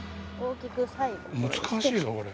難しいぞこれ。